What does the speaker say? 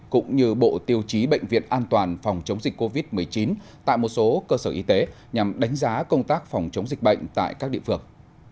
cũng như bộ tiêu chí bệnh viện an toàn phòng chống dịch covid một mươi chín tại một số cơ sở y tế nhằm đánh giá công tác phòng chống dịch bệnh tại các địa phương